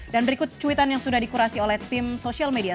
dan berikut cuitan yang sudah dikurasi oleh tim sosial media